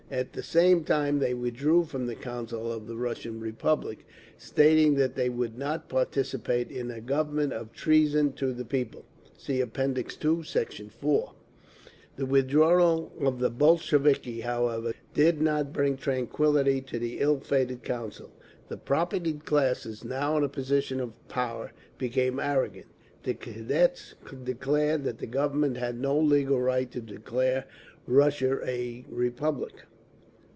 At the same time they withdrew from the Council of the Russian Republic, stating that they would not participate in a "Government of Treason to the People." (See App. II, Sect. 4) The withdrawal of the Bolsheviki, however, did not bring tranquillity to the ill fated Council. The propertied classes, now in a position of power, became arrogant. The Cadets declared that the Government had no legal right to declare Russia a republic.